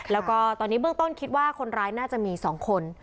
แล้วก็ตอนนี้เบื้องต้นคิดว่าคนร้ายน่าจะมี๒คน